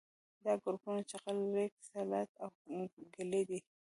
دا ګروپونه جغل ریګ سلټ او کلې دي